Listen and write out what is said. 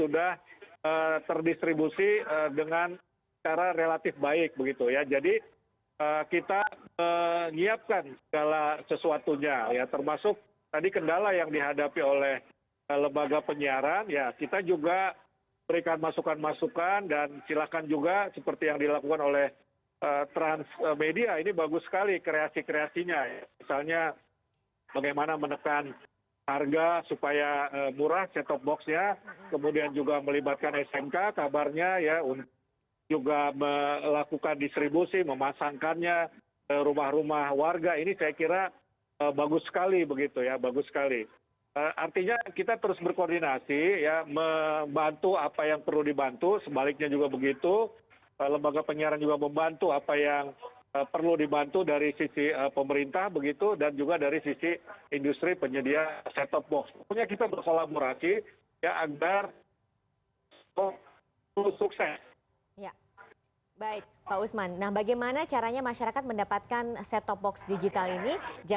dan selalu mendukung dengan selalu memberikan diskusi bersama dengan tim dari kominfo dalam hal ini